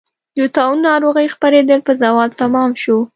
د طاعون ناروغۍ خپرېدل په زوال تمام شو.